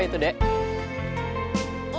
ya sudah rezeki dali